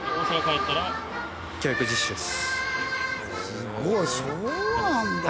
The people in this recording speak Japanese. すごいそうなんだな。